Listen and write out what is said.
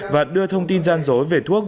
và đưa thông tin gian dối về thuốc